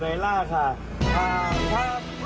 ขึ้นครับพูดแน่